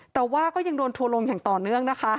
แต่ว่าก็ยังโดนทัวร์ลงอย่างต่อเนื่องนะคะ